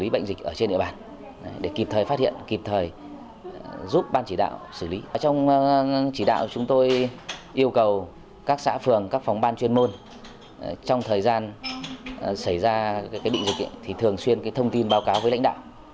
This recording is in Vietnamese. bệnh dịch thì thường xuyên thông tin báo cáo với lãnh đạo